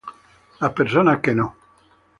Las personas que no